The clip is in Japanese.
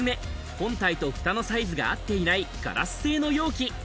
本体とふたのサイズが合っていない、ガラス製の容器。